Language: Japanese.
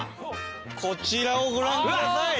こちらをご覧ください。